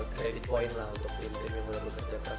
credit point lah untuk tim tim yang bener bener kerja keras